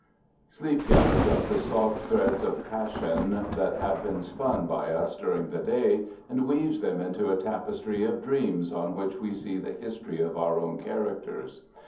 Sleep gathers up the soft threads of passion that have been spun by us during the day, and weaves them into a tapestry of dreams on which we see the history of our own characters.